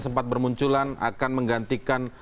sempat bermunculan akan menggantikan